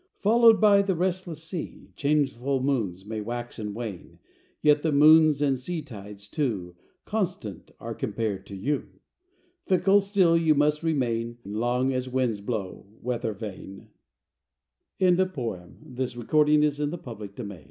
Followed by the restless sea, Changeful moons may wax and wane, Yet the moons and sea tides, too, Constant are compared to you! Fickle still you must remain Long as winds blow, weather vane! THE SWAN Stately swan, so proud and white Glistenin